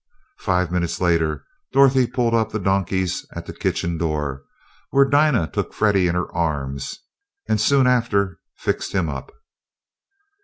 Five minutes later Dorothy pulled up the donkeys at the kitchen door, where Dinah took Freddie in her arms, and soon after fixed him up.